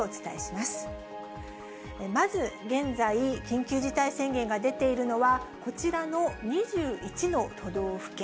まず現在、緊急事態宣言が出ているのは、こちらの２１の都道府県。